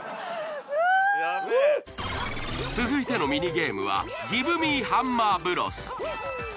続いてのミニゲームはぎぶみーハンマーブロス。